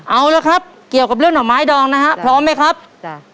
เอาละครับเกี่ยวกับเรื่องห่อไม้ดองนะฮะพร้อมไหมครับจ้ะ